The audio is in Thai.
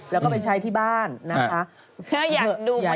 แล้วก็ไปใช้ที่บ้านนะคะ